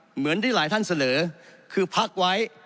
เหมือนที่หลายท่านเสนอคือพักไว้